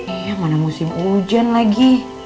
eh mana musim hujan lagi